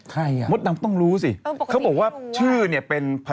ใครอ่ะมดน้ำต้องรู้สิเขาบอกว่าชื่อเนี่ยเป็นพัชนะใส่ข้าว